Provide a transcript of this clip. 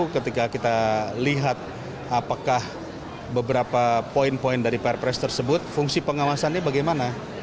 ketika kita lihat apakah beberapa poin poin dari perpres tersebut fungsi pengawasannya bagaimana